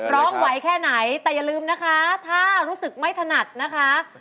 ร้องไหวแค่ไหนแต่อย่าลืมนะคะถ้ารู้สึกไม่ถนัดนะคะ